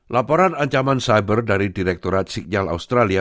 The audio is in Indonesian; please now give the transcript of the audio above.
laporan ancaman cyber dari direkturat signal australia